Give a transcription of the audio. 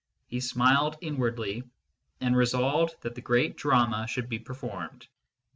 He smiled inwardly, and resolved that the great drama should be performed.